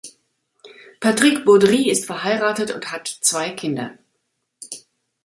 Patrick Baudry ist verheiratet und hat zwei Kinder.